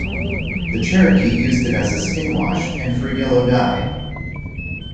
The Cherokee used it as a skin wash and for yellow dye.